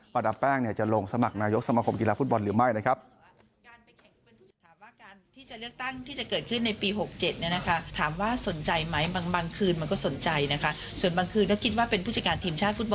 ดาบแป้งจะลงสมัครนายกสมคมกีฬาฟุตบอลหรือไม่นะครับ